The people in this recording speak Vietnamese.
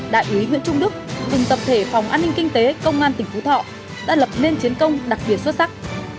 đại úy nguyễn trung đức cùng tập thể phòng an ninh kinh tế công an tỉnh phú thọ đã lập nên chiến công đặc biệt xuất sắc